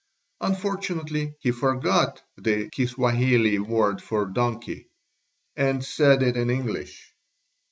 Unfortunately he forgot the Kiswahili word for donkey and said it in English.